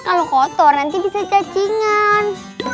kalau kotor nanti bisa cacingan